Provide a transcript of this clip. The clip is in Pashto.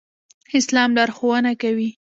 اسلام لارښوونه کوي